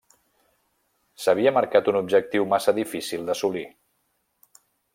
S'havia marcat un objectiu massa difícil d'assolir.